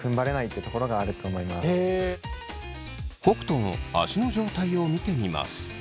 あと北斗の足の状態を見てみます。